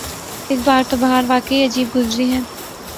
اس بار تو بہار واقعی عجیب گزری ہے۔